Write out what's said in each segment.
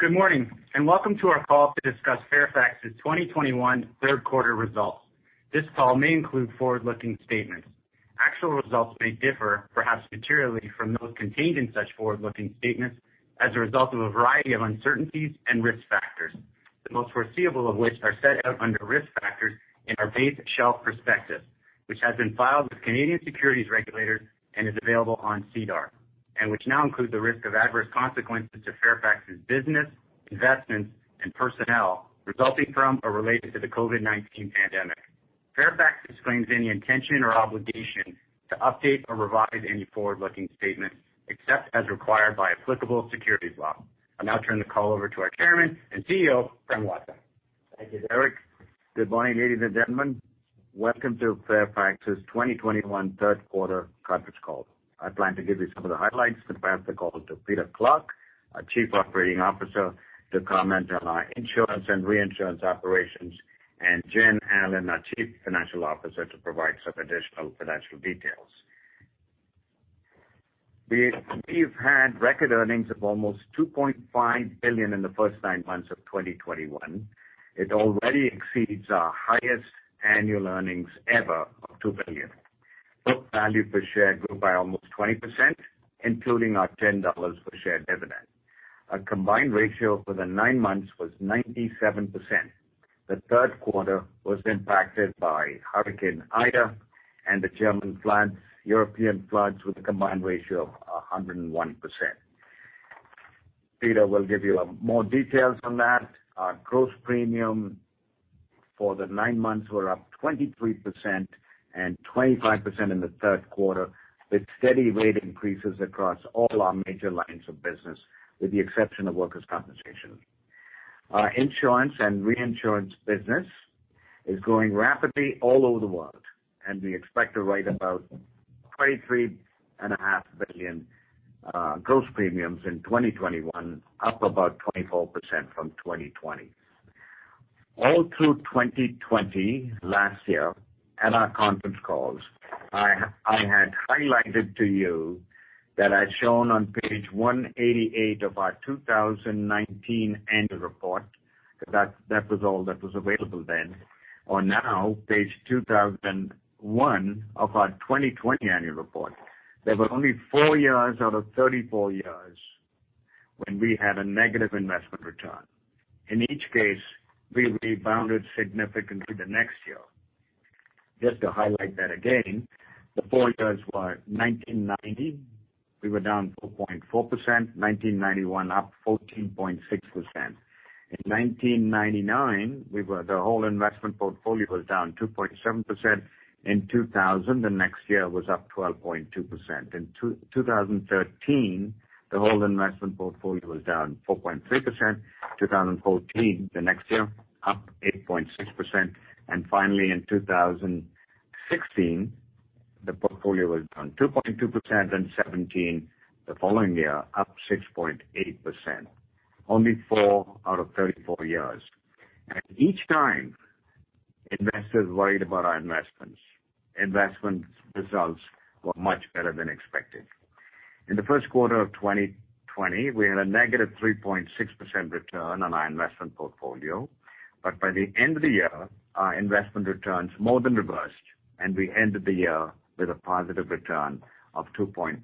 Good morning, and welcome to our call to discuss Fairfax's 2021 Q3 results. This call may include forward-looking statements. Actual results may differ, perhaps materially, from those contained in such forward-looking statements as a result of a variety of uncertainties and risk factors, the most foreseeable of which are set out under risk factors in our base shelf prospectus, which has been filed with Canadian securities regulators and is available on SEDAR, and which now include the risk of adverse consequences to Fairfax's business, investments, and personnel resulting from or related to the COVID-19 pandemic. Fairfax disclaims any intention or obligation to update or revise any forward-looking statements except as required by applicable securities law. I'll now turn the call over to our Chairman and CEO, Prem Watsa. Thank you, Derek. Good morning, ladies and gentlemen. Welcome to Fairfax's 2021 Q3 conference call. I plan to give you some of the highlights, then pass the call to Peter Clarke, our Chief Operating Officer, to comment on our insurance and reinsurance operations, and Jen Allen, our Chief Financial Officer, to provide some additional financial details. We've had record earnings of approximately $2.5 billion in the first nine months of 2021. It already exceeds our highest annual earnings ever of $2 billion. Book value per share grew by almost 20%, including our $10 per share dividend. Our combined ratio for the nine months was 97%. The Q3 was impacted by Hurricane Ida and the German floods, European floods, with a combined ratio of 101%. Peter will give you more details on that. Our gross premium for the nine months were up 23% and 25% in the Q3, with steady rate increases across all our major lines of business, with the exception of workers' compensation. Our insurance and reinsurance business is growing rapidly all over the world, and we expect to write about $23.5 billion gross premiums in 2021, up about 24% from 2020. All through 2020 last year at our conference calls, I had highlighted to you that I'd shown on page 188 of our 2019 annual report, that was all that was available then. Now, on page 201 of our 2020 annual report. There were only four years out of 34 years when we had a negative investment return. In each case, we rebounded significantly the next year. Just to highlight that again, the four years were 1990, we were down 4.4%, 1991, up 14.6%. In 1999, the whole investment portfolio was down 2.7%. In 2000, the next year was up 12.2%. In 2013, the whole investment portfolio was down 4.3%. 2014, the next year, up 8.6%. And finally, in 2016, the portfolio was down 2.2%. In 2017, the following year, up 6.8%. Only 4 out of 34 years. Each time investors worried about our investments, investment results were much better than expected. In Q1 2020, we had a negative 3.6% return on our investment portfolio, but by the end of the year, our investment returns more than reversed, and we ended the year with a positive return of 2.4%.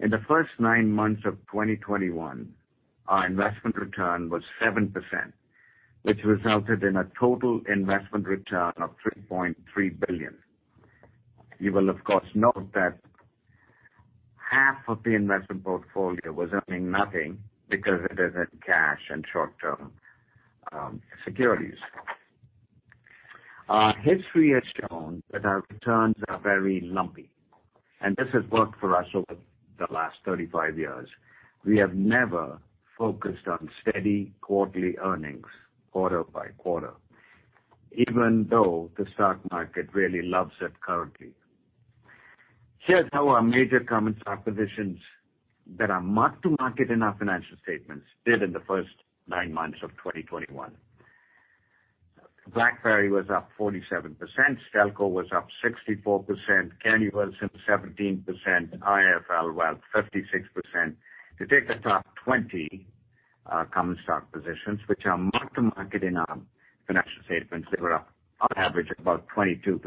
In the first nine months of 2021, our investment return was 7%, which resulted in a total investment return of $3.3 billion. You will of course note that half of the investment portfolio was earning nothing because it is in cash and short-term securities. Our history has shown that our returns are very lumpy, and this has worked for us over the last 35 years. We have never focused on steady quarterly earnings quarter by quarter, even though the stock market really loves it currently. Here's how our major common stock positions that are mark-to-market in our financial statements did in the first nine months of 2021. BlackBerry was up 47%, Stelco was up 64%, Kennedy Wilson 17%, IIFL Wealth 56%. To take the top 20 common stock positions, which are mark-to-market in our financial statements, they were up on average about 22%.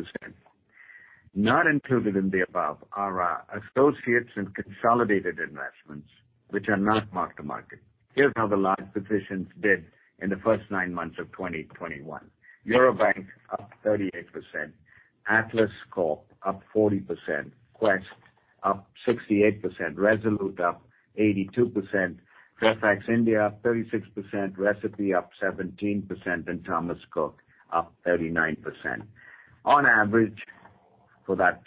Not included in the above are our associates and consolidated investments, which are not mark-to-market. Here's how the large positions did in the first nine months of 2021. Eurobank up 38%, Atlas Corp up 40%, Quess up 68%, Resolute up 82%, Fairfax India up 36%, Recipe up 17%, and Thomas Cook up 39%. On average for that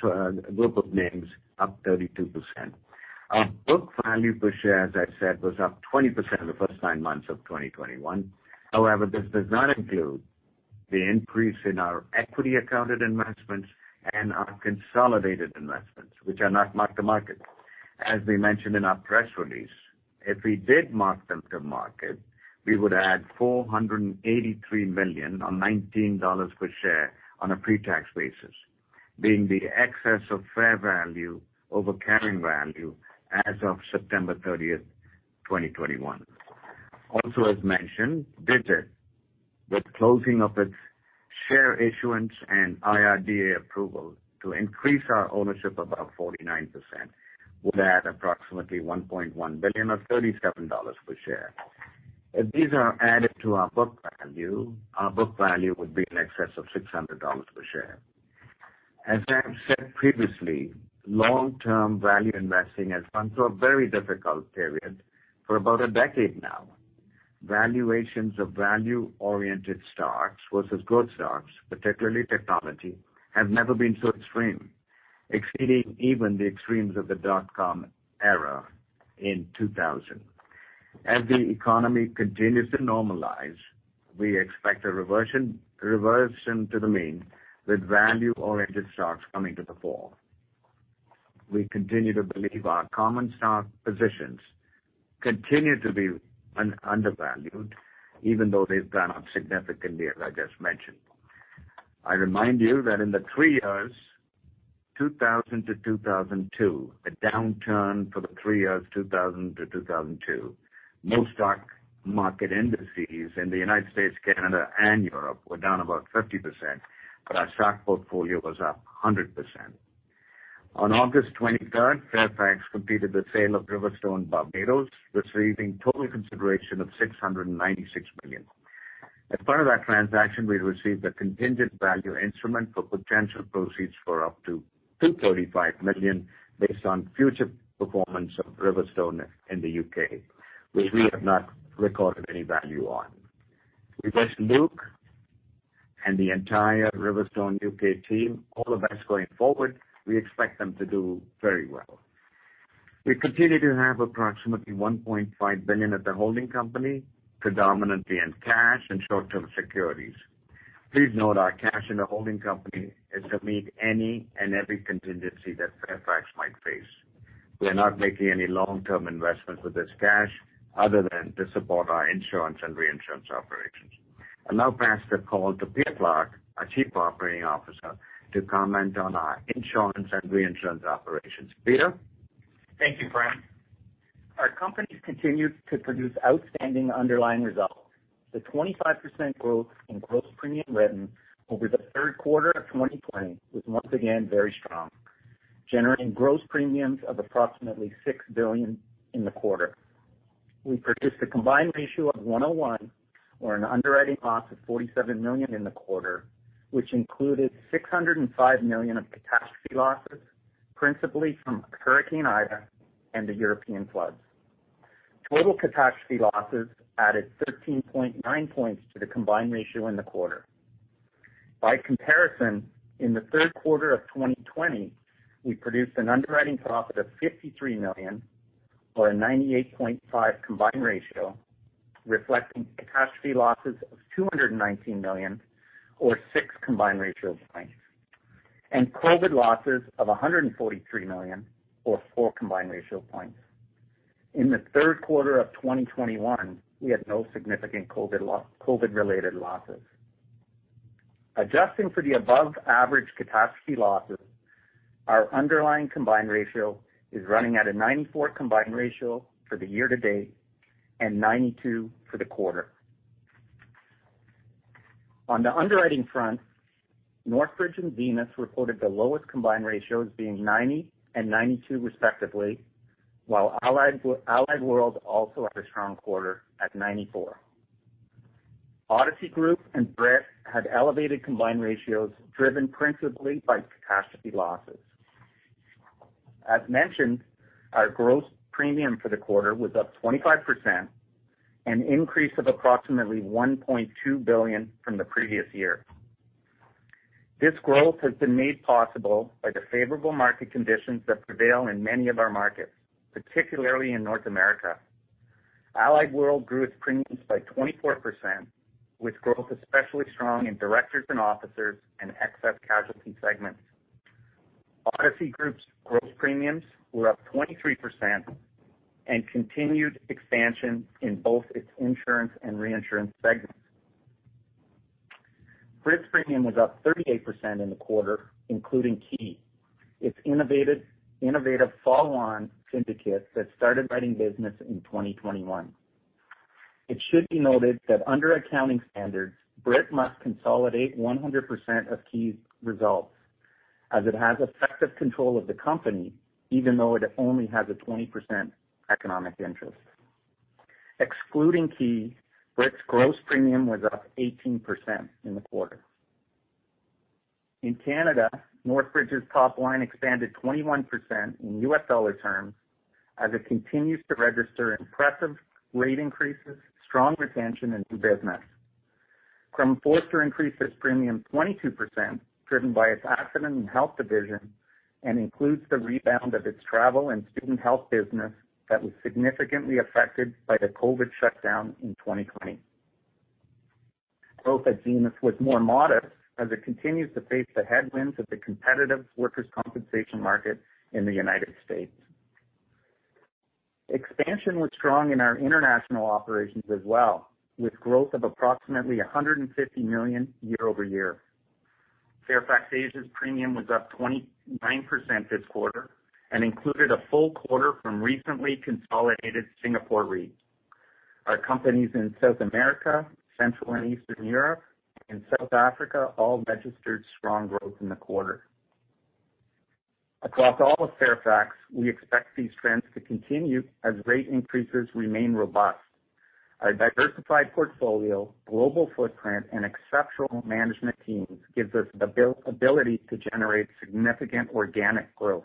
group of names up 32%. Our book value per share, as I said, was up 20% in the first 9 months of 2021. However, this does not include the increase in our equity accounted investments and our consolidated investments, which are not mark-to-market. As we mentioned in our press release, if we did mark them to market, we would add $483 million or $19 per share on a pre-tax basis, being the excess of fair value over carrying value as of September 30, 2021. Also, as mentioned, Digit, with closing of its share issuance and Insurance Regulatory and Development Authority of India (IRDAI) approval to increase our ownership above 49%, would add approximately $1.1 billion or $37 per share. If these are added to our book value, our book value would be in excess of $600 per share. As I have said previously, long-term value investing has gone through a very difficult period for about a decade now. Valuations of value-oriented stocks versus growth stocks, particularly technology, have never been so extreme, exceeding even the extremes of the dotcom era in 2000. As the economy continues to normalize, we expect a reversion to the mean, with value-oriented stocks coming to the fore. We continue to believe our common stock positions continue to be undervalued, even though they've gone up significantly, as I just mentioned. I remind you that in the three years, 2000 to 2002, the downturn, most stock market indices in the United States, Canada, and Europe were down about 50%, but our stock portfolio was up 100%. On August 23, Fairfax completed the sale of RiverStone Barbados, receiving total consideration of $696 million. As part of that transaction, we received a contingent value instrument for potential proceeds for up to $235 million based on future performance of RiverStone in the U.K., which we have not recorded any value on. We wish Luke and the entire RiverStone U.K. team all the best going forward. We expect them to do very well. We continue to have approximately $1.5 billion at the holding company, predominantly in cash and short-term securities. Please note our cash in the holding company is to meet any and every contingency that Fairfax might face. We are not making any long-term investments with this cash other than to support our insurance and reinsurance operations. I'll now pass the call to Peter Clarke, our Chief Operating Officer, to comment on our insurance and reinsurance operations. Peter? Thank you, Prem. Our companies continued to produce outstanding underlying results. The 25% growth in gross premium written over the Q3 of 2020 was once again very strong, generating gross premiums of approximately $6 billion in the quarter. We produced an combined ratio of 101.1% and an underwriting loss of $47 millionin the quarter, which included $605 million of catastrophe losses, principally from Hurricane Ida and the European floods. Total catastrophe losses added 13.9 points to the combined ratio in the quarter. By comparison, in the Q3 of 2020, we produced an underwriting profit of $53 million or a 98.5 combined ratio, reflecting catastrophe losses of $219 million or 6 combined ratio points, and COVID losses of $143 million or 4 combined ratio points. In the Q3 of 2021, we had no significant COVID-related losses. Adjusting for the above-average catastrophe losses, our underlying combined ratio is running at a 94 combined ratio for the year to date and 92 for the quarter. On the underwriting front, Northbridge and Zenith reported the lowest combined ratios being 90 and 92 respectively, while Allied World also had a strong quarter at 94. Odyssey Group and Brit had elevated combined ratios driven principally by catastrophe losses. As mentioned, our gross premium for the quarter was up 25%, an increase of approximately $1.2 billion from the previous year. This growth has been made possible by the favorable market conditions that prevail in many of our markets, particularly in North America. Allied World grew its premiums by 24%, with growth especially strong in directors and officers and excess casualty segments. Odyssey Group's gross premiums were up 23% and continued expansion in both its insurance and reinsurance segments. Brit's premium was up 38% in the quarter, including Ki, its innovative follow-on syndicate that started writing business in 2021. It should be noted that under accounting standards, Brit must consolidate 100% of Ki's results as it has effective control of the company, even though it only has a 20% economic interest. Excluding Ki, Brit's gross premium was up 18% in the quarter. In Canada, Northbridge's top line expanded 21% in U.S. dollar terms as it continues to register impressive rate increases, strong retention, and new business. Crum & Forster increased its premium 22%, driven by its accident and health division, and includes the rebound of its travel and student health business that was significantly affected by the COVID shutdown in 2020. Growth at Zenith was more modest as it continues to face the headwinds of the competitive workers' compensation market in the United States. Expansion was strong in our international operations as well, with growth of approximately $150 million year-over-year. Fairfax Asia's premium was up 29% this quarter and included a full quarter from recently consolidated Singapore Re. Our companies in South America, Central and Eastern Europe, and South Africa all registered strong growth in the quarter. Across all of Fairfax, we expect these trends to continue as rate increases remain robust. Our diversified portfolio, global footprint, and exceptional management teams gives us the ability to generate significant organic growth.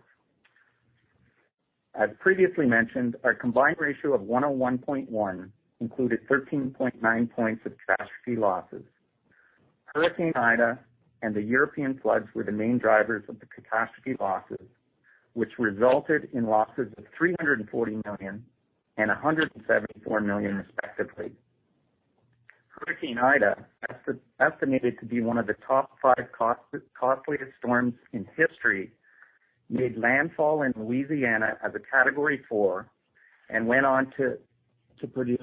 As previously mentioned, our combined ratio of 101.1 included 13.9 points of catastrophe losses. Hurricane Ida and the European floods were the main drivers of the catastrophe losses, which resulted in losses of $340 million and $174 million, respectively. Hurricane Ida, estimated to be one of the top 5 costliest storms in history, made landfall in Louisiana as a category 4 and went on to produce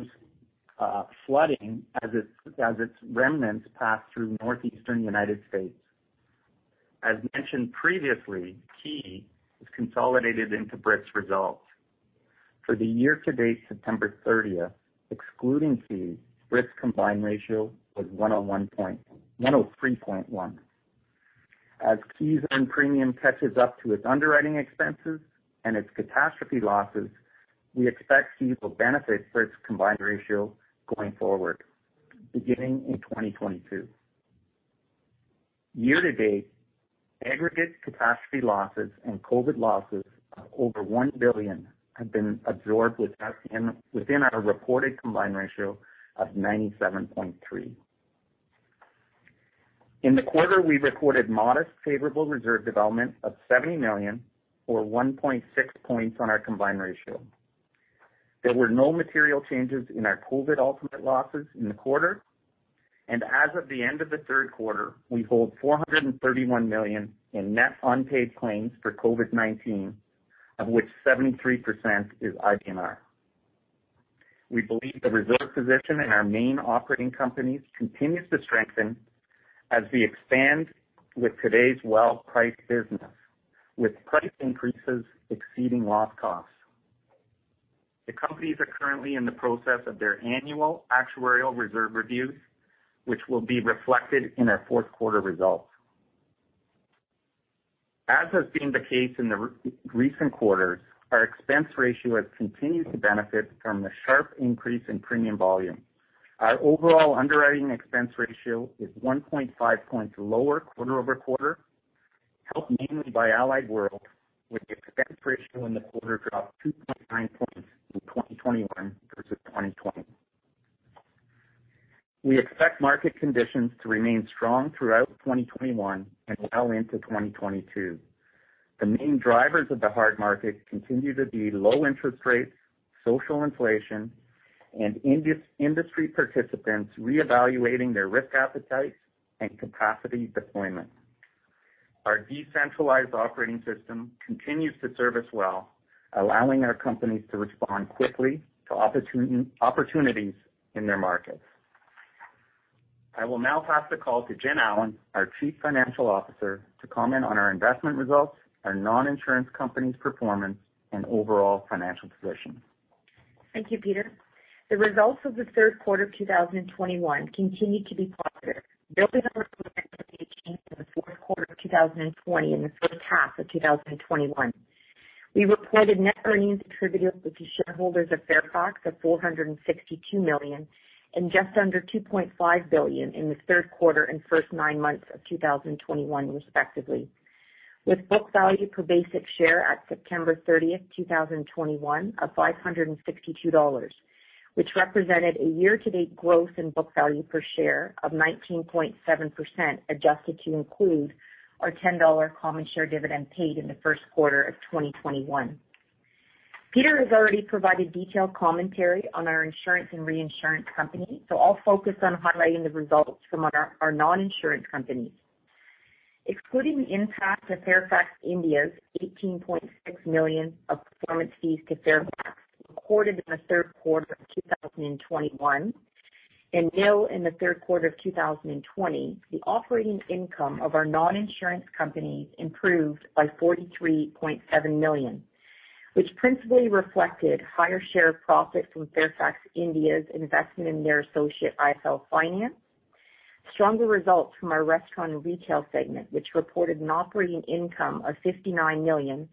flooding as its remnants passed through northeastern United States. As mentioned previously, Ki is consolidated into Brit's results. For the year-to-date September 30, excluding fees, Brit's combined ratio was 103.1%. As Ki's earned premium catches up to its underwriting expenses and its catastrophe losses, we expect Ki to benefit Brit's combined ratio going forward, beginning in 2022. Year-to-date, aggregate catastrophe losses and COVID losses of over $1 billion have been absorbed within our reported combined ratio of 97.3. In the quarter, we recorded modest favorable reserve development of $70 million or 1.6 points on our combined ratio. There were no material changes in our COVID ultimate losses in the quarter. As of the end of the Q3, we hold $431 million in net unpaid claims for COVID-19, of which 73% is IBNR. We believe the reserve position in our main operating companies continues to strengthen as we expand with today's well-priced business, with price increases exceeding loss costs. The companies are currently in the process of their annual actuarial reserve reviews, which will be reflected in our Q4 results. As has been the case in the recent quarters, our expense ratio has continued to benefit from the sharp increase in premium volume. Our overall underwriting expense ratio is 1.5 points lower quarter over quarter, helped mainly by Allied World, with the the expense ratio in the quarter declined by 2.9 points year-on-year. We expect market conditions to remain strong throughout 2021 and well into 2022. The main drivers of the hard market continue to be low interest rates, social inflation, and industry participants reevaluating their risk appetite and capacity deployment. Our decentralized operating system continues to serve us well, allowing our companies to respond quickly to opportunities in their markets. I will now pass the call to Jen Allen, our Chief Financial Officer, to comment on our investment results, our non-insurance companies' performance, and overall financial position. Thank you, Peter. The results of the Q3 of 2021 continued to be positive, building on the momentum we achieved in the Q4 of 2020 and the first half of 2021. We reported net earnings attributable to shareholders of Fairfax of $462 million and just under $2.5 billion in the Q3 and first nine months of 2021 respectively, with book value per basic share at September 30, 2021 of $562, which represented a year-to-date growth in book value per share of 19.7%, adjusted to include our $10 common share dividend paid in the Q1 of 2021. Peter has already provided detailed commentary on our insurance and reinsurance company, so I'll focus on highlighting the results from our non-insurance companies. Excluding the impact of Fairfax India's $18.6 million of performance fees to Fairfax recorded in the Q3 of 2021 and nil in the Q3 of 2020, the operating income of our non-insurance companies improved by $43.7 million, which principally reflected higher share of profits from Fairfax India's investment in their associate, IIFL Finance. Stronger results from our restaurant and retail segment, which reported an operating income of $59 million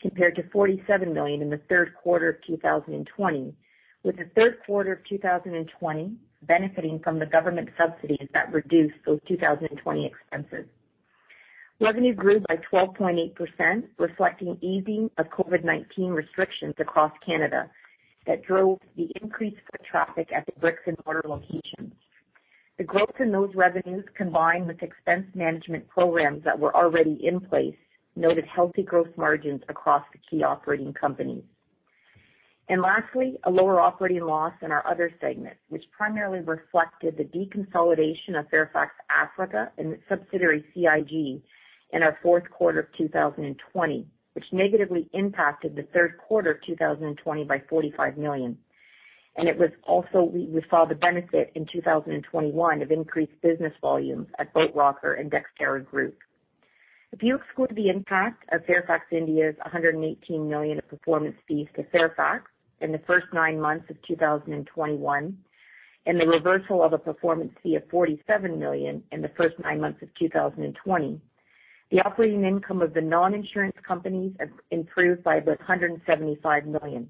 compared to $47 million in the Q3 of 2020, with the Q3 of 2020 benefiting from the government subsidies that reduced those 2020 expenses. Revenue grew by 12.8%, reflecting easing of COVID-19 restrictions across Canada that drove increased foot traffic at the bricks and mortar locations. The growth in those revenues, combined with expense management programs that were already in place, yielded healthy growth margins across the key operating companies. Lastly, a lower operating loss in our other segments, which primarily reflected the deconsolidation of Fairfax Africa and its subsidiary, CIG, in our Q4 of 2020, which negatively impacted the Q3 of 2020 by $45 million. We saw the benefit in 2021 of increased business volumes at Boat Rocker and Dexterra Group. If you exclude the impact of Fairfax India's $118 million of performance fees to Fairfax in the first nine months of 2021, and the reversal of a performance fee of $47 million in the first nine months of 2020, the operating income of the non-insurance companies have improved by about $175 million,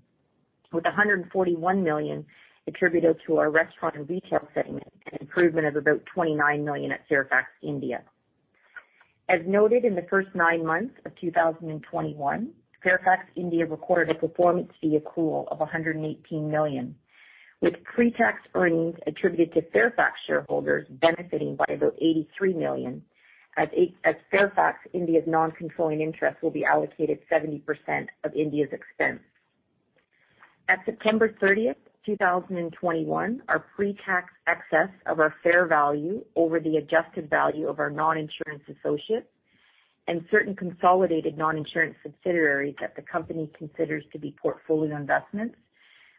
with $141 million attributed to our restaurant and retail segment, an improvement of about $29 million at Fairfax India. As noted in the first nine months of 2021, Fairfax India recorded a performance fee accrual of $118 million, with pre-tax earnings attributed to Fairfax shareholders benefiting by about $83 million as Fairfax India's non-controlling interest will be allocated 70% of India's expense. At September 30, 2021, our pre-tax excess of our fair value over the adjusted value of our non-insurance associates and certain consolidated non-insurance subsidiaries that the company considers to be portfolio investments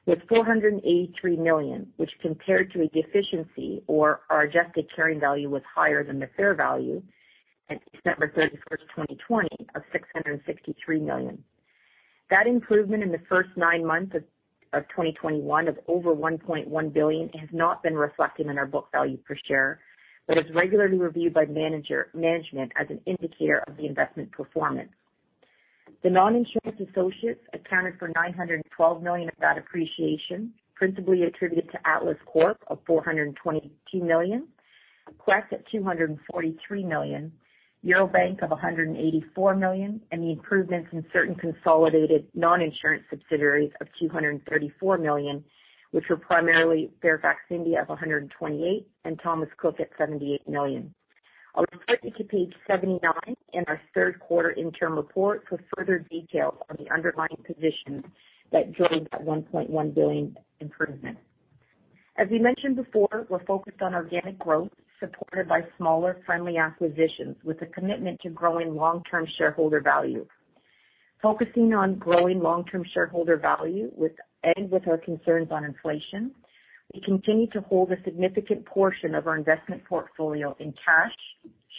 was $483 million, which compared to a deficiency where our adjusted carrying value was higher than the fair value at December 31, 2020 of $663 million. That improvement in the first nine months of 2021 of over $1.1 billion has not been reflected in our book value per share, but is regularly reviewed by management as an indicator of the investment performance. The non-insurance associates accounted for $912 million of that appreciation, principally attributed to Atlas Corp. of $422 million, Quess at $243 million, Eurobank of $184 million, and the improvements in certain consolidated non-insurance subsidiaries of $234 million, which were primarily Fairfax India of $128 million and Thomas Cook at $78 million. I'll refer you to page 79 in our Q3 interim report for further details on the underlying positions that drove that $1.1 billion improvement. As we mentioned before, we're focused on organic growth supported by smaller, friendly acquisitions with a commitment to growing long-term shareholder value. Focusing on long-term shareholder value and with our concerns on inflation, we continue to hold a significant portion of our investment portfolio in cash,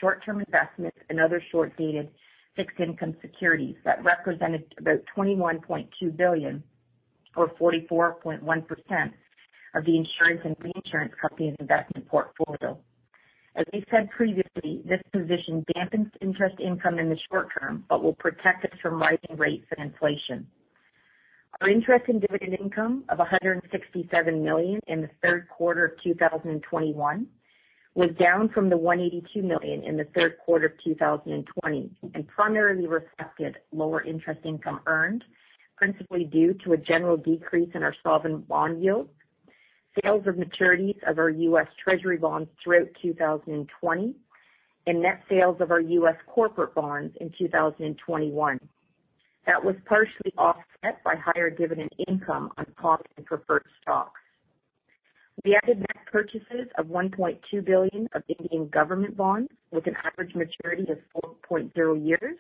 short-term investments, and other short-dated fixed income securities that represented about $21.2 billion or 44.1% of the insurance and reinsurance company's investment portfolio. As we've said previously, this position dampens interest income in the short term, but will protect us from rising rates and inflation. Our interest and dividend income of $167 million in the Q3 of 2021 was down from the $182 million in the Q3 of 2020, and primarily reflected lower interest income earned principally due to a general decrease in our overall bond yields, sales and maturities of U.S. Treasury bonds throughout 2020, and net sales of U.S. corporate bonds in 2021. That was partially offset by higher dividend income on common and preferred stocks. We added net purchases of $1.2 billion of Indian government bonds with an average maturity of 4.0 years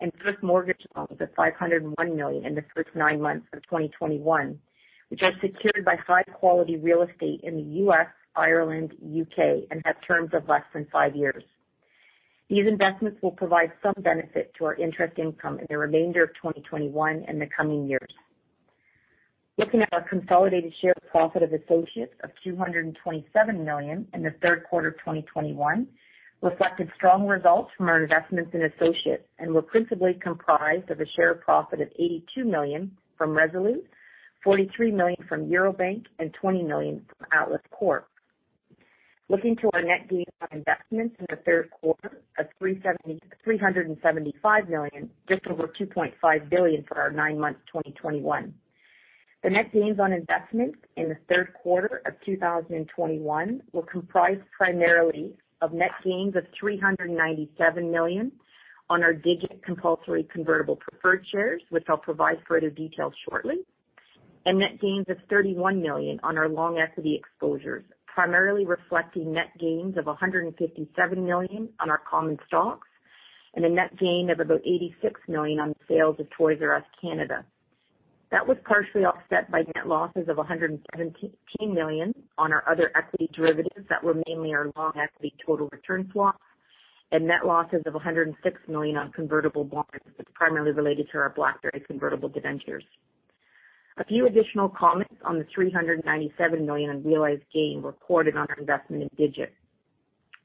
and Swiss mortgage loans of $501 million in the first nine months of 2021, which are secured by high-quality real estate in the U.S., Ireland, U.K., and have terms of less than five years. These investments will provide some benefit to our interest income in the remainder of 2021 and the coming years. Looking at our consolidated share of profit of associates of $227 million in the Q3 of 2021 reflected strong results from our investments in associates and were principally comprised of a share of profit of $82 million from Resolute, $43 million from Eurobank and $20 million from Atlas Corp. Looking to our net gains on investments in the Q3 of $375 million, just over $2.5 billion for our nine months 2021. The net gains on investment in the Q3 of 2021 were comprised primarily of net gains of $397 million on our Digit compulsory convertible preferred shares, which I'll provide further details shortly. Net gains of $31 million on our long equity exposures, primarily reflecting net gains of $157 million on our common stocks and a net gain of about $86 million on the sales of Toys R Us Canada. That was partially offset by net losses of $117 million on our other equity derivatives that were mainly our long equity total returns swaps and net losses of $106 million on convertible bonds, primarily related to our BlackBerry convertible debentures. A few additional comments on the $397 million unrealized gain reported on our investment in Digit.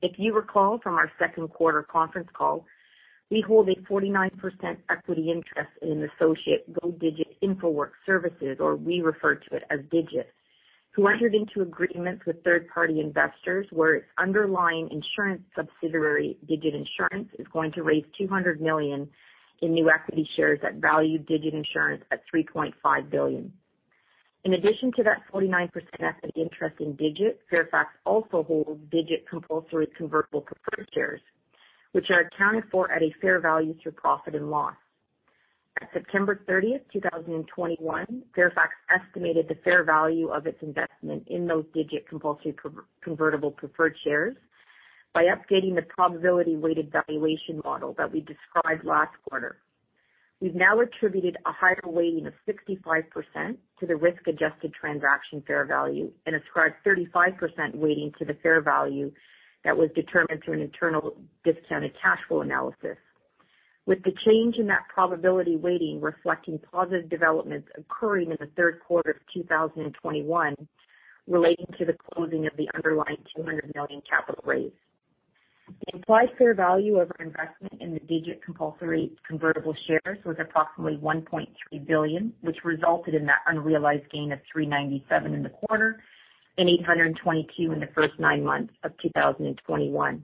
If you recall from our Q2 conference call, we hold a 49% equity interest in an associate Go Digit Infoworks Services, or we refer to it as Digit, who entered into agreements with third party investors where its underlying insurance subsidiary, Digit Insurance, is going to raise $200 million in new equity shares that value Digit Insurance at $3.5 billion. In addition to that 49% equity interest in Digit, Fairfax also holds Digit compulsory convertible preferred shares, which are accounted for at a fair value through profit and loss. At September 30, 2021, Fairfax estimated the fair value of its investment in those Digit compulsory convertible preferred shares by updating the probability weighted valuation model that we described last quarter. We've now attributed a higher weighting of 65% to the risk adjusted transaction fair value and ascribed 35% weighting to the fair value that was determined through an internal discounted cash flow analysis. With the change in that probability weighting reflecting positive developments occurring in the Q3 of 2021 relating to the closing of the underlying $200 million capital raise. The implied fair value of our investment in the Digit compulsory convertible shares was approximately $1.3 billion, which resulted in that unrealized gain of $397 million in the quarter and $822 million in the first nine months of 2021.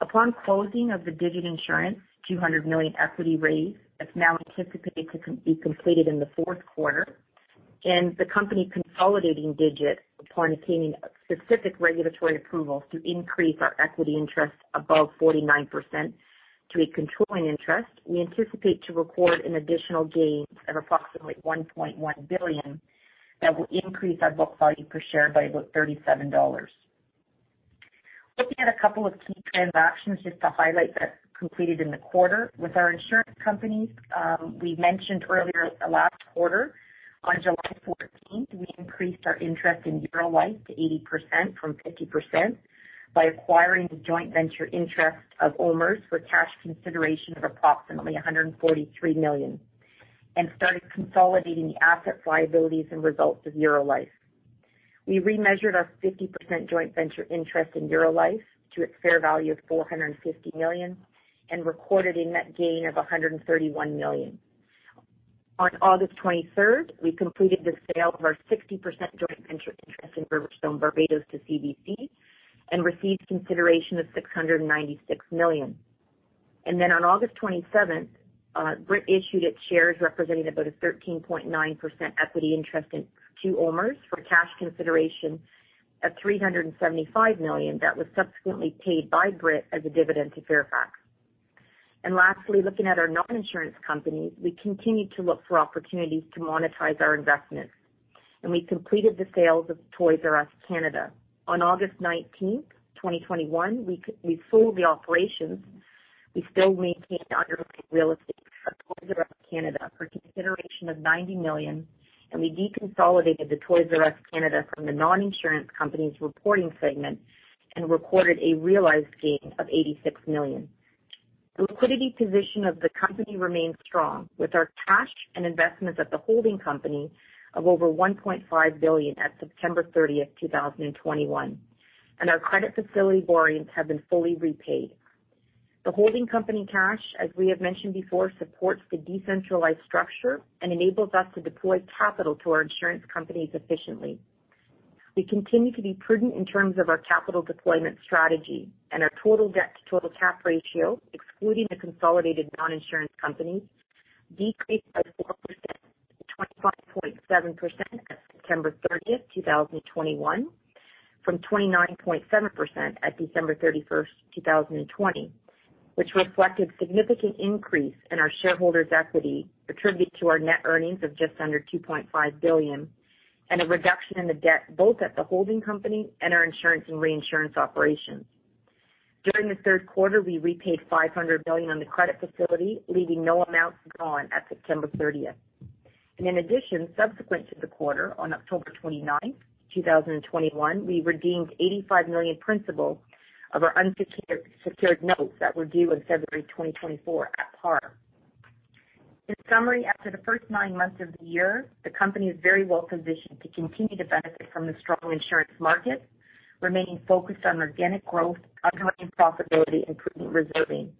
Upon closing of the Digit Insurance $200 million equity raise that's now anticipated to be completed in the Q4, and the company consolidating Digit upon obtaining specific regulatory approvals to increase our equity interest above 49% to a controlling interest, we anticipate to record an additional gain of approximately $1.1 billion that will increase our book value per share by about $37. Looking at a couple of key transactions just to highlight that completed in the quarter. With our insurance companies, we mentioned earlier last quarter, on July 14, we increased our interest in Eurolife to 80% from 50% by acquiring the joint venture interest of OMERS for cash consideration of approximately $143 million and started consolidating the assets and liabilities and results of Eurolife. We remeasured our 50% joint venture interest in Eurolife to its fair value of $450 million and recorded a net gain of $131 million. On August 23, we completed the sale of our 60% joint venture interest in RiverStone Barbados to CVC and received consideration of $696 million. On August 27, Brit issued its shares representing about a 13.9% equity interest to OMERS for cash consideration of $375 million that was subsequently paid by Brit as a dividend to Fairfax. Looking at our non-insurance companies, we continue to look for opportunities to monetize our investments. We completed the sales of Toys R Us Canada. On August 19, 2021, we sold the operations. We still maintained the underlying real estate of Toys R Us Canada for consideration of $90 million, and we deconsolidated the Toys R Us Canada from the non-insurance companies reporting segment and recorded a realized gain of $86 million. The liquidity position of the company remains strong with our cash and investments at the holding company of over $1.5 billion at September 30, 2021, and our credit facility borrowings have been fully repaid. The holding company cash, as we have mentioned before, supports the decentralized structure and enables us to deploy capital to our insurance companies efficiently. We continue to be prudent in terms of our capital deployment strategy and our total debt to total capital ratio, excluding the consolidated non-insurance companies, decreased by 4 percentage points to 25.7% as of September 30, 2021, from 29.7% at December 31, 2020, which reflected significant increase in our shareholders' equity attributable to our net earnings of just under $2.5 billion and a reduction in the debt both at the holding company and our insurance and reinsurance operations. During the Q3, we repaid $500 million on the credit facility, leaving no amounts drawn at September 30. In addition, subsequent to the quarter, on October 29, 2021, we redeemed $85 million principal of our unsecured senior notes that were due in February 2024 at par. In summary, after the first nine months of the year, the company is very well positioned to continue to benefit from the strong insurance market, remaining focused on organic growth, underwriting profitability and prudent reserving.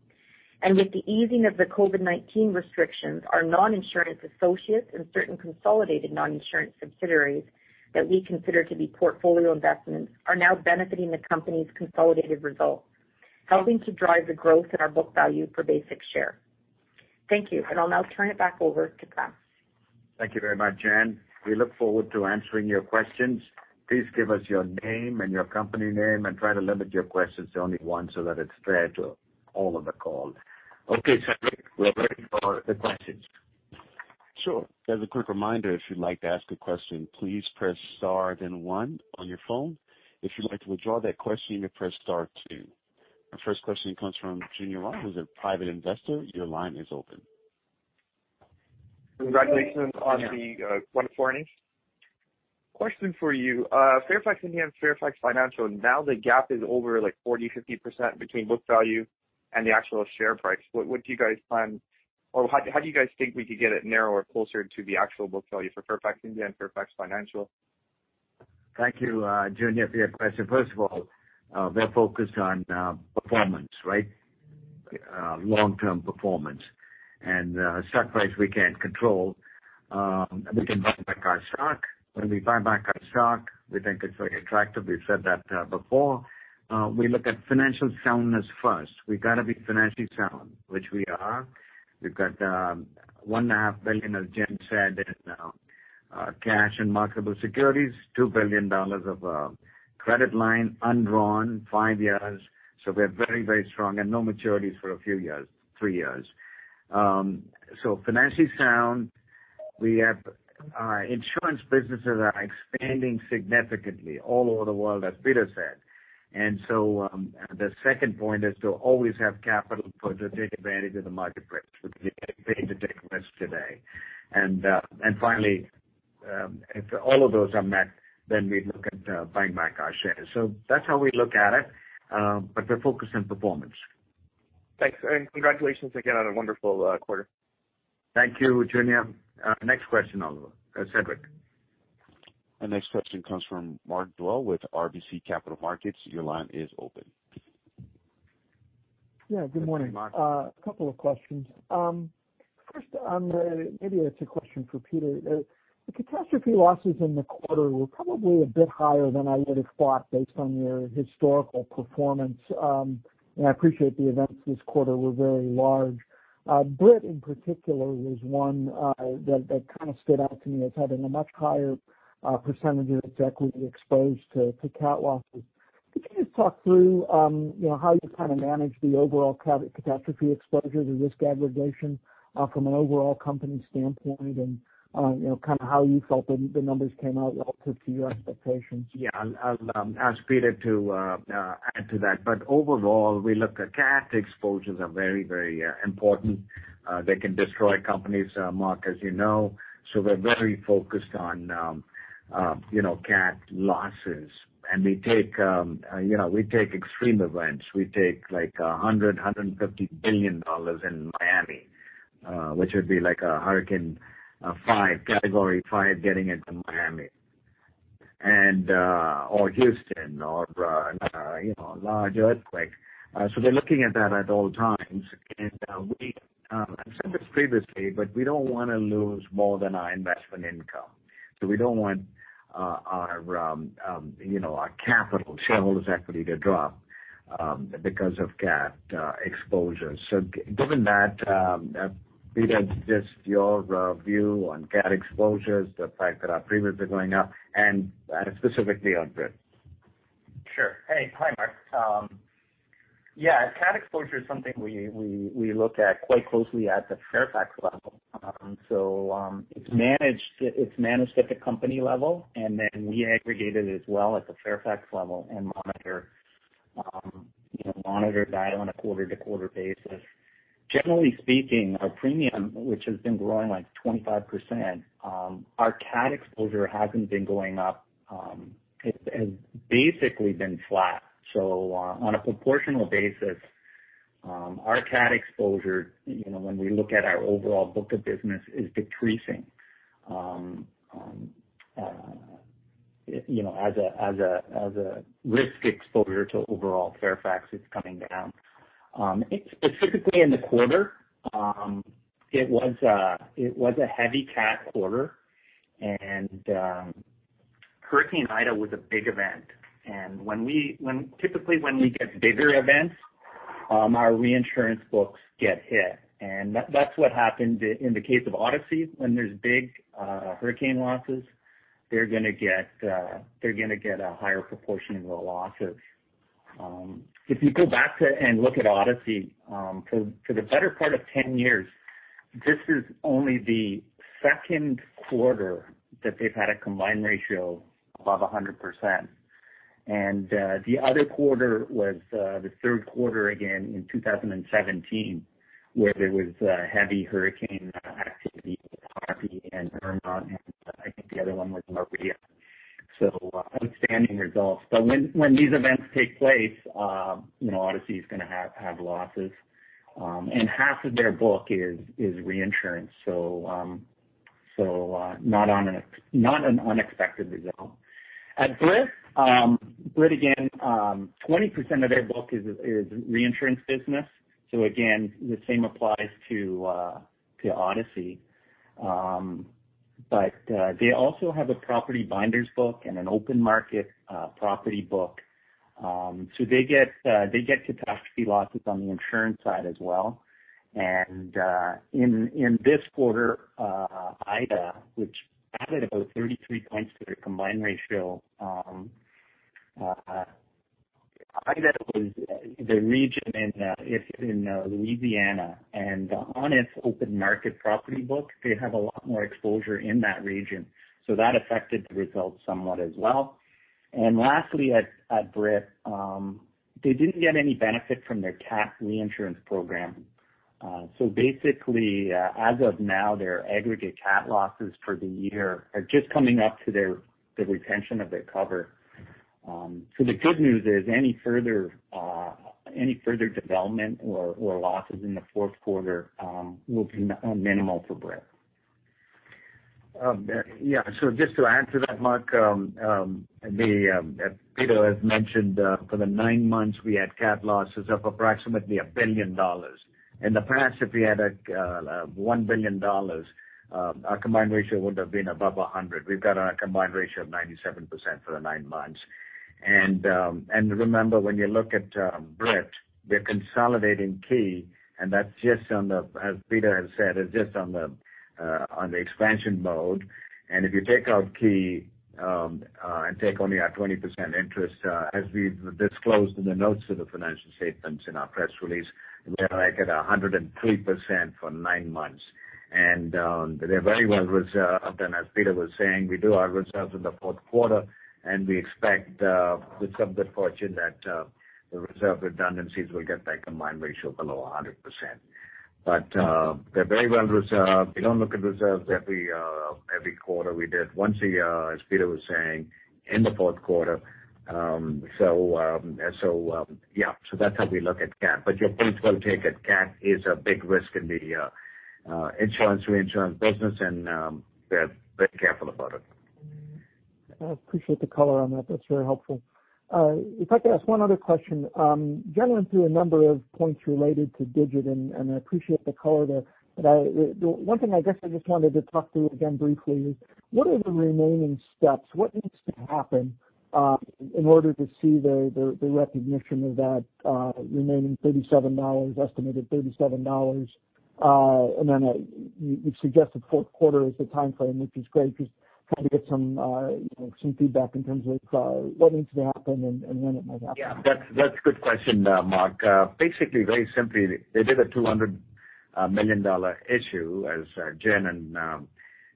With the easing of the COVID-19 restrictions, our non-insurance associates and certain consolidated non-insurance subsidiaries that we consider to be portfolio investments are now benefiting the company's consolidated results, helping to drive the growth in our book value per basic share. Thank you. I'll now turn it back over to Prem. Thank you very much, Jen. We look forward to answering your questions. Please give us your name and your company name and try to limit your questions to only one so that it's fair to all on the call. Okay, Patrick, we are ready for the questions. Congratulations on the wonderful earnings. Question for you. Fairfax India and Fairfax Financial, now the gap is over like 40%-50% between book value and the actual share price. What do you guys plan or how do you guys think we could get it narrower, closer to the actual book value for Fairfax India and Fairfax Financial? Thank you, Junior, for your question. First of all, we're focused on performance, right? Long-term performance. Stock price we can't control. We can buy back our stock. When we buy back our stock, we think it's very attractive. We've said that before. We look at financial soundness first. We've gotta be financially sound, which we are. We've got $1.5 billion, as Jim said, in cash and marketable securities, $2 billion of credit line undrawn, 5 years. We're very, very strong and no maturities for a few years, 3 years. Financially sound, we have our insurance businesses are expanding significantly all over the world, as Peter said. The second point is to always have capital for to take advantage of the market price, which we're getting paid to take risk today. Finally, if all of those are met, then we look at buying back our shares. That's how we look at it, but we're focused on performance. Thanks, and congratulations again on a wonderful quarter. Thank you, Junior. Next question, Oliver, Cedric. Yeah, good morning. Good morning, Mark. A couple of questions. First, maybe it's a question for Peter. The catastrophe losses in the quarter were probably a bit higher than I would have thought based on your historical performance. I appreciate the events this quarter were very large. Brit in particular was one that kind of stood out to me as having a much higher percentage of its equity exposed to cat losses. Could you just talk through, how you kind of manage the overall catastrophe exposure, the risk aggregation from an overall company standpoint and, kind of how you felt the numbers came out relative to your expectations? Yeah. I'll ask Peter to add to that. Overall, we look at cat exposures are very important. They can destroy companies, Mark, as you know. We're very focused on, cat losses. We take, extreme events. We take like $150 billion in Miami, which would be like a hurricane five, category five getting into Miami and or Houston or, a large earthquake. We're looking at that at all times. We've said this previously, but we don't wanna lose more than our investment income. We don't want our capital shareholders' equity to drop because of cat exposures. Given that, Peter, just your view on cat exposures, the fact that our premiums are going up and, specifically on Brit. Sure. Hey. Hi, Mark. Yeah, cat exposure is something we look at quite closely at the Fairfax level. It's managed at the company level, and then we aggregate it as well at the Fairfax level and monitor that on a quarter-to-quarter basis. Generally speaking, our premium, which has been growing like 25%, our cat exposure hasn't been going up. It's basically been flat. On a proportional basis, our cat exposure you know when we look at our overall book of business is decreasing you know as a risk exposure to overall Fairfax is coming down. Specifically in the quarter, it was a heavy cat quarter, and Hurricane Ida was a big event. Typically when we get bigger events, our reinsurance books get hit, and that's what happened in the case of Odyssey, when there's big hurricane losses, they're gonna get a higher proportion of the losses. If you go back and look at Odyssey, for the better part of 10 years, this is only the Q2 that they've had a combined ratio above 100%. The other quarter was the Q3 again in 2017, where there was heavy hurricane activity with Harvey and Irma, and I think the other one was Maria. Outstanding results. But when these events take place, Odyssey is gonna have losses. Half of their book is reinsurance. Not an unexpected result. At Brit again, 20% of their book is reinsurance business. Again, the same applies to Odyssey. But they also have a property binders book and an open market property book. They get catastrophe losses on the insurance side as well. In this quarter, Ida, which added about 33 points to their combined ratio, was in the region. It's in Louisiana. On its open market property book, they have a lot more exposure in that region, so that affected the results somewhat as well. Lastly, at Brit, they didn't get any benefit from their cat reinsurance program. Basically, as of now, their aggregate cat losses for the year are just coming up to the retention of their cover. The good news is any further development or losses in the Q4 will be minimal for Brit. Yeah, just to answer that, Mark, Peter has mentioned for the nine months we had cat losses of approximately $1 billion. In the past, if we had $1 billion, our combined ratio would have been above 100. We've got a combined ratio of 97% for the nine months. Remember, when you look at Brit, they're consolidating Ki, and that's just on the expansion mode. As Peter has said, it's just on the expansion mode. If you take out Ki and take only our 20% interest, as we've disclosed in the notes to the financial statements in our press release, we're like at 103% for nine months. They're very well reserved. As Peter was saying, we do our reserves in the Q4, and we expect with some good fortune that the reserve redundancies will get that combined ratio below 100%. They're very well reserved. We don't look at reserves every quarter. We did once a year, as Peter was saying, in the Q4. Yeah, so that's how we look at cat. Your point well taken. Cat is a big risk in the insurance reinsurance business, and we're very careful about it. I appreciate the color on that. That's very helpful. If I could ask one other question. Jen went through a number of points related to Digit, and I appreciate the color there. I, the one thing I guess I just wanted to talk through again briefly is what are the remaining steps? What needs to happen in order to see the recognition of that remaining $37, estimated $37? Then you suggested Q4 as the timeframe, which is great, just trying to get some you know some feedback in terms of what needs to happen and when it might happen. Yeah. That's a good question, Mark. Basically, very simply, they did a $200 million issue, as Jen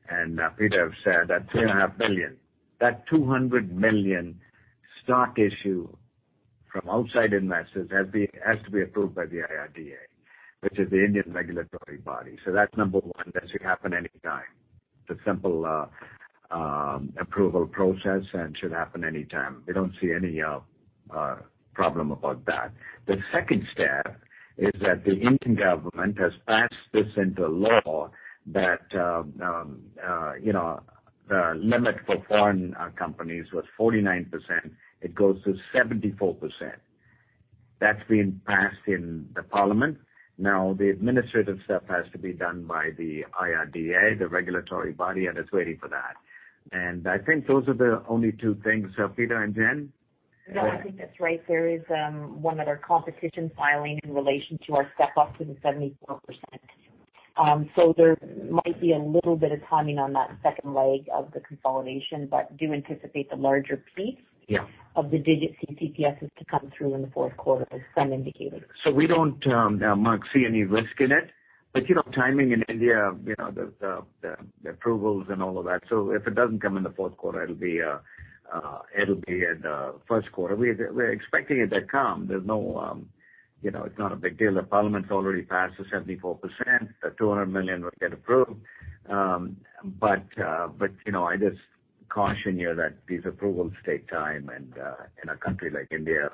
and Peter have said, that $2.5 billion. That $200 million stock issue from outside investors has to be approved by the IRDA, which is the Indian regulatory body. That's number one. That should happen any time. It's a simple approval process and should happen any time. We don't see any problem about that. The second step is that the Indian government has passed this into law that, the limit for foreign companies was 49%. It goes to 74%. That's been passed in the parliament. Now the administrative stuff has to be done by the IRDA, the regulatory body, and it's waiting for that. I think those are the only two things. Peter and Jen? No, I think that's right. There is one other competition filing in relation to our step up to the 74%. There might be a little bit of timing on that second leg of the consolidation, but do anticipate the larger piece- Yeah. of the Digit CCPSs to come through in the Q4 as Prem indicated. We don't, Mark, see any risk in it. Timing in India, the approvals and all of that. If it doesn't come in the Q4, it'll be in the Q1. We're expecting it to come. There's no, it's not a big deal. The Parliament's already passed the 74%. The $200 million will get approved. But I just caution you that these approvals take time and in a country like India.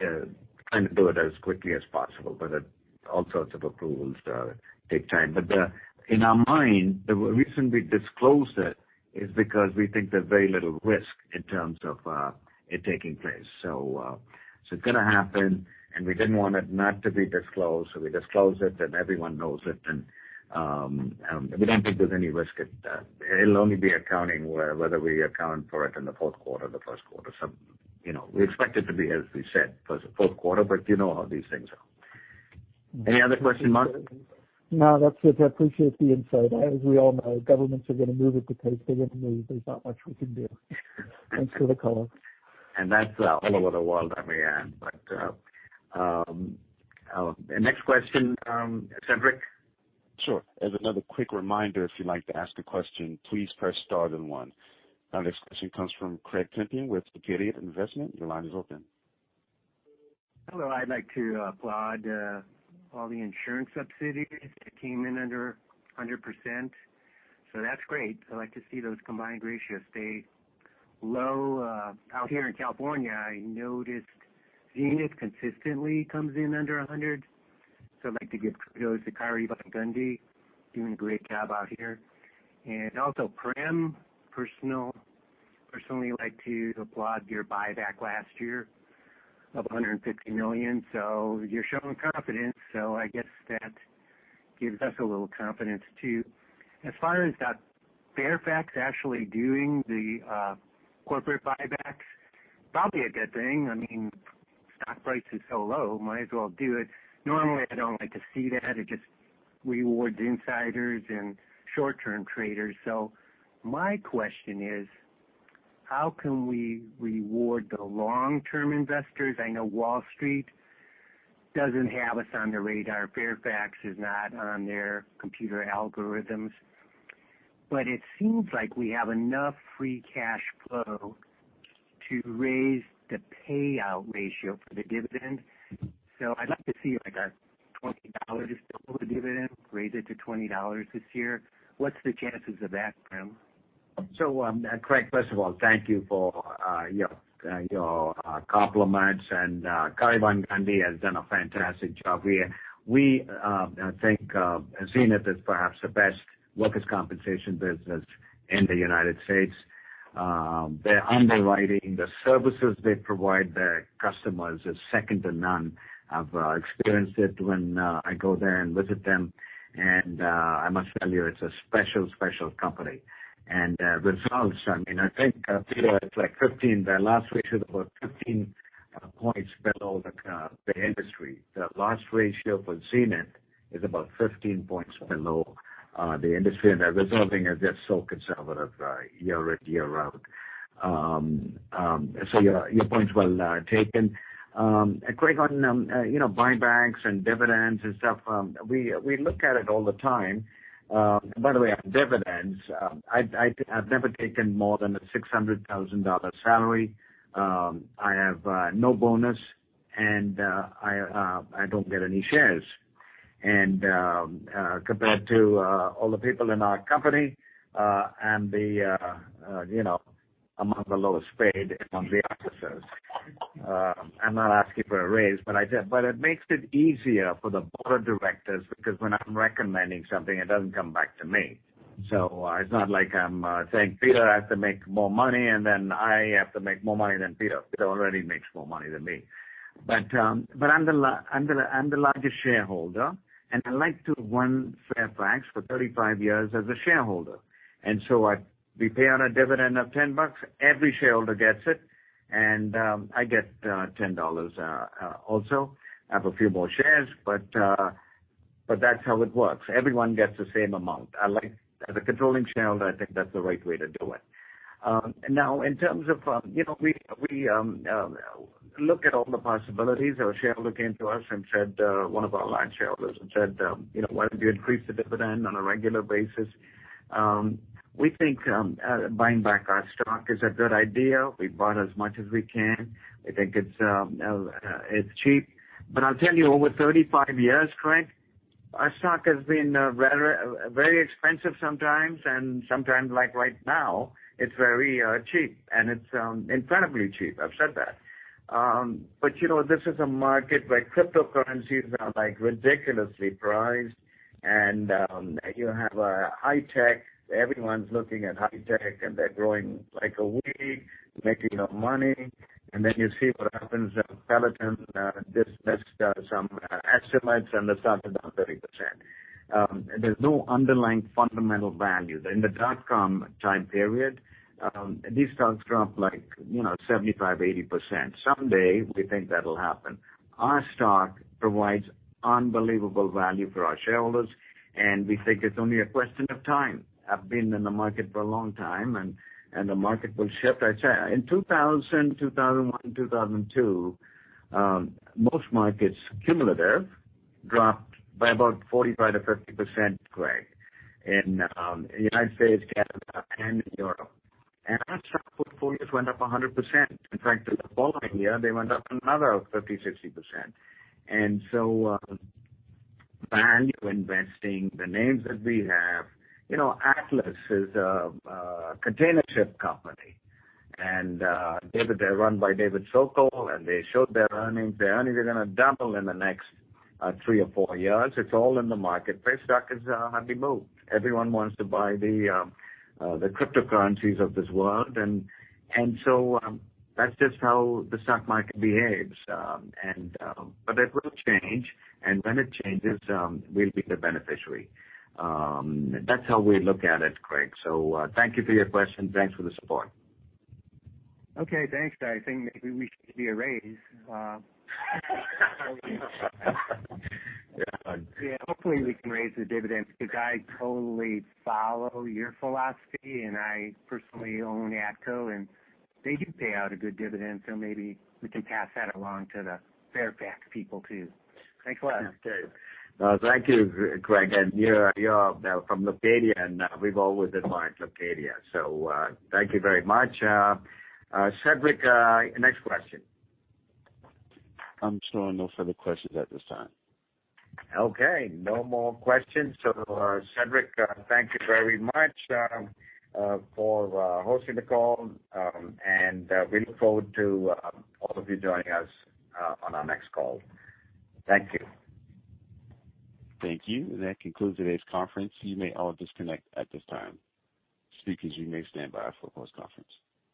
They're trying to do it as quickly as possible, but all sorts of approvals take time. In our mind, the reason we disclosed it is because we think there's very little risk in terms of it taking place. It's gonna happen, and we didn't want it not to be disclosed. We disclosed it, and everyone knows it. We don't think there's any risk. It'll only be accounting whether we account for it in the Q4 or the Q1. We expect it to be, as we said, for the Q4, but you know how these things are. Any other question, Mark? No, that's it. I appreciate the insight. As we all know, governments are gonna move at the pace they're gonna move. There's not much we can do. Thanks for the call. That's all over the world, I may add. Next question, Cedric. Hello. I'd like to applaud all the insurance subsidiaries that came in under 100%, that's great. I'd like to see those combined ratios stay low. Out here in California, I noticed Zenith consistently comes in under 100, so I'd like to give kudos to Kari Van Gundy, doing a great job out here. Also Prem, personally like to applaud your buyback last year of 150 million. You're showing confidence, so I guess that gives us a little confidence too. As far as Fairfax actually doing the corporate buybacks, probably a good thing. I mean, stock price is so low, might as well do it. Normally, I don't like to see that. It just rewards insiders and short-term traders. My question is: How can we reward the long-term investors? I know Wall Street doesn't have us on the radar. Fairfax is not on their computer algorithms. It seems like we have enough free cash flow to raise the payout ratio for the dividend. I'd like to see like a $20 double the dividend, raise it to $20 this year. What's the chances of that, Prem? Craig, first of all, thank you for your compliments. Karivand Gundy has done a fantastic job. I think Zenith is perhaps the best workers' compensation business in the United States. Their underwriting, the services they provide their customers is second to none. I've experienced it when I go there and visit them. I must tell you, it's a special company. Results, I mean, I think, Peter, the last ratio for Zenith is about 15 points below the industry, and they're reserving it just so conservative year in, year out. Your point's well taken. Craig, on buybacks and dividends and stuff, we look at it all the time. By the way, on dividends, I've never taken more than a $600,000 salary. I have no bonus, and I don't get any shares. Compared to all the people in our company, I'm among the lowest paid among the officers. I'm not asking for a raise, but it makes it easier for the board of directors because when I'm recommending something, it doesn't come back to me. It's not like I'm saying Peter has to make more money, and then I have to make more money than Peter. Peter already makes more money than me. I'm the largest shareholder, and I like to run Fairfax for 35 years as a shareholder. We pay out a dividend of $10, every shareholder gets it, and I get $10 also. I have a few more shares, but that's how it works. Everyone gets the same amount. I like, as a controlling shareholder, I think that's the right way to do it. Now in terms of, we look at all the possibilities. One of our large shareholders came to us and said, "Why don't you increase the dividend on a regular basis?" We think buying back our stock is a good idea. We bought as much as we can. We think it's cheap. I'll tell you, over 35 years, Craig, our stock has been rather very expensive sometimes, and sometimes, like right now, it's very cheap, and it's incredibly cheap. I've said that. This is a market where cryptocurrencies are, like, ridiculously priced. You have high tech. Everyone's looking at high tech, and they're growing like a weed, making no money. Then you see what happens at Peloton. They missed some estimates and the stock is down 30%. There's no underlying fundamental value. In the dotcom time period, these stocks dropped like, 75%-80%. Someday we think that'll happen. Our stock provides unbelievable value for our shareholders, and we think it's only a question of time. I've been in the market for a long time, and the market will shift. I'd say in 2000, 2001, 2002, most markets cumulative dropped by about 45%-50%, Craig, in U.S., Canada and Europe. Our stock portfolios went up 100%. In fact, the following year, they went up another 50%-60%. Value investing, the names that we have, Atlas is a container ship company. David—they're run by David Sokol, and they showed their earnings. Their earnings are gonna double in the next 3 or 4 years. It's all in the marketplace. Stock has hardly moved. Everyone wants to buy the cryptocurrencies of this world. That's just how the stock market behaves. It will change. When it changes, we'll be the beneficiary. That's how we look at it, Craig. Thank you for your question. Thanks for the support. Okay. Thanks, guys. I think maybe we should give you a raise. Yeah. Hopefully, we can raise the dividends because I totally follow your philosophy, and I personally own ATCO, and they do pay out a good dividend, so maybe we can pass that along to the Fairfax people too. Thanks a lot. Okay. Thank you, Craig. You're from Leucadia, and we've always admired Leucadia, so thank you very much. Cedric, next question. Okay. No more questions. Cedric, thank you very much for hosting the call. We look forward to all of you joining us on our next call. Thank you.